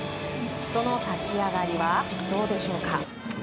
その立ち上がりはどうでしょう。